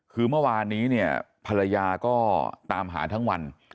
คือเมื่อวานนี้เนี่ยภรรยาก็ตามหาทั้งวัน